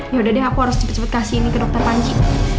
yaudah deh aku harus cepat cepat kasih ini ke dokter panji